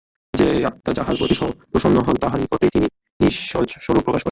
সেই আত্মা যাঁহার প্রতি প্রসন্ন হন, তাঁহার নিকটেই তিনি নিজস্বরূপ প্রকাশ করেন।